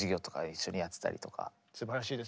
すばらしいです。